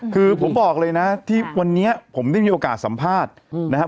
คือผมบอกเลยนะที่วันนี้ผมได้มีโอกาสสัมภาษณ์นะครับ